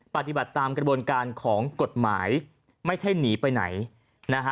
ปฏิบัติตามกระบวนการของกฎหมายไม่ใช่หนีไปไหนนะฮะ